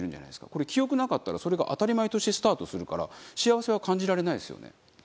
これ記憶なかったらそれが当たり前としてスタートするから幸せは感じられないですよね。